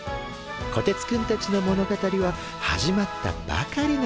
こてつくんたちの物語は始まったばかりなのです。